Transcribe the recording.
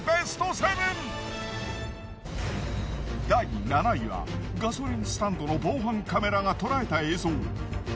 第７位はガソリンスタンドの防犯カメラが捉えた映像。